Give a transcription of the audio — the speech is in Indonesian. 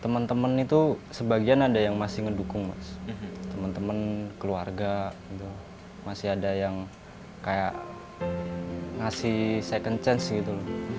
teman teman itu sebagian ada yang masih ngedukung mas teman teman keluarga masih ada yang kayak ngasih second chance gitu loh